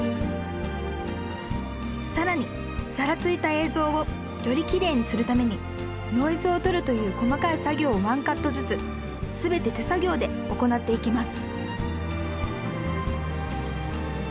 更にざらついた映像をよりきれいにするためにノイズを取るという細かい作業を１カットずつ全て手作業で行っていきます